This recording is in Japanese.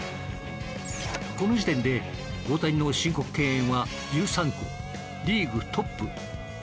この時点で大谷の申告敬遠は１３個リーグトップ。